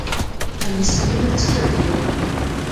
کمیسیونونه څه دنده لري؟